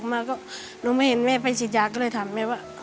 แล้วก็หนูไม่เห็นแม่ไปสิทธิ์ยากก็เลยถามแม่ว่า